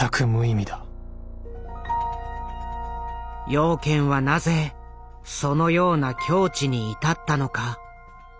養賢はなぜそのような境地に至ったのか。